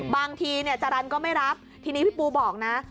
บางทีเนี่ยจารันก็ไม่รับทีนี้พี่ปูบอกนะ